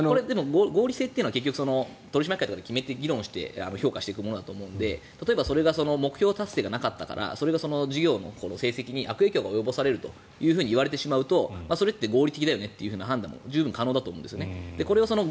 合理性は結局取締役会で決めて評価していくものだと思うので例えば目標達成がなかったら事業の成績に悪影響を及ぼすといわれてしまうとそれって合理的だよねという判断は十分可能だと思うんですね。